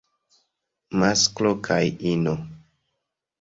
Masklo kaj ino.